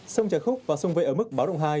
sông trà khúc và sông vệ ở mức báo động hai